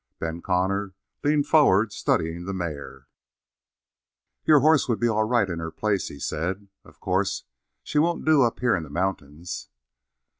Ben Connor had leaned forward, studying the mare. "Your horse would be all right in her place," he said. "Of course, she won't do up here in the mountains."